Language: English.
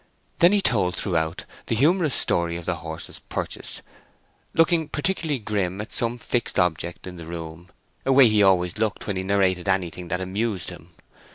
Then he told throughout the humorous story of the horse's purchase, looking particularly grim at some fixed object in the room, a way he always looked when he narrated anything that amused him.